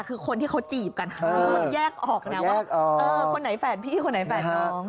แต่คือคนที่เค้าจีบกันเพราะยักออกน่ะว่าคุณไหนแฟนพี่คุณไหนแฟนน้อง